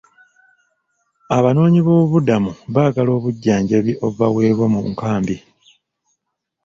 Abanoonyibobubuddamu baagala obujjanjabi obubaweebwa mu nkambi.